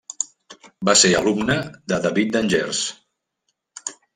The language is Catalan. Va ser alumne de David d'Angers.